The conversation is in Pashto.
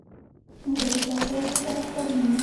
اوبه د پاکوالي لپاره کارېږي.